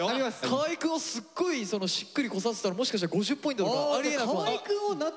河合くんをすっごいしっくりこさせたらもしかしたら５０ポイントとか。